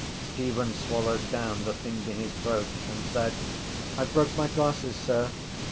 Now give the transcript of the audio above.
Stephen swallowed down the thing in his throat and said: —I broke my glasses, sir.